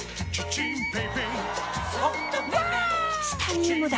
チタニウムだ！